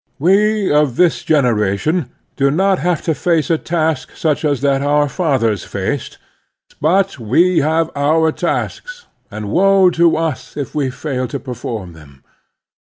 We of this generation do not have to face a taskj such as that our fathers faced, but we have otir tasks, and woe to us if we fail to perform them!